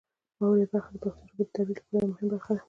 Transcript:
واورئ برخه د پښتو ژبې د ترویج لپاره یوه مهمه برخه ده.